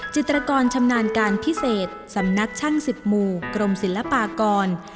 จิตรกรชำนาญการพิเศษสำนักช่าง๑๐หมู่กรมศิลปากร